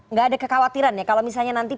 nggak ada kekhawatiran ya kalau misalnya nanti